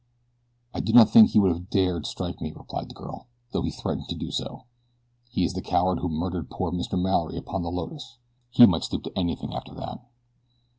"I do not think that he would have dared strike me," replied the girl, "though he threatened to do so. He is the coward who murdered poor Mr. Mallory upon the Lotus. He might stoop to anything after that."